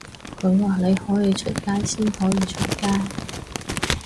佢話你可以出街先可以出街